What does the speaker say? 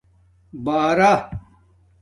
بݳرا